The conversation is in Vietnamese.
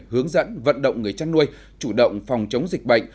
hướng dẫn vận động người chăn nuôi chủ động phòng chống dịch bệnh